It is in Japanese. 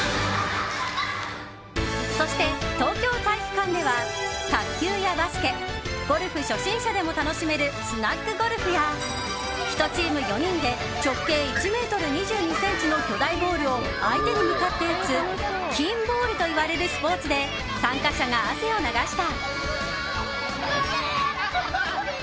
そして東京体育館では卓球やバスケゴルフ初心者でも楽しめるスナッグゴルフや１チーム４人で直径１ｍ２２ｃｍの巨大ボールを相手に向かって打つキンボールといわれるスポーツで参加者が汗を流した。